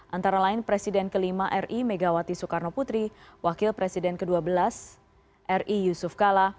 antara lain presiden ke lima ri megawati soekarno putri wakil presiden ke dua belas ri yusuf kala